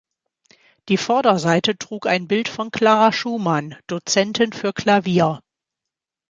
Die Vorderseite trug ein Bild von Clara Schumann, Dozentin für Klavier.